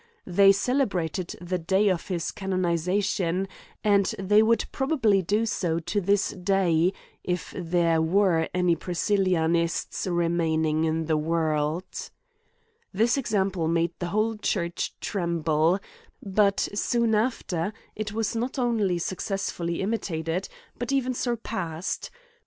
They celebrated the day of his canonization, and they would probably do so to this day, if there were any Priscillianists remaining in the world. This example made the whole church tremble , T>RIMES AND PUNISHMENTS. I§9 but, soon after, it Was not only successfully im itate d, but even surpassed.